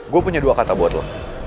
gue punya dua kata buat lo